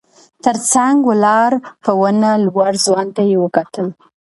تر څنګ ولاړ په ونه لوړ ځوان ته يې وکتل.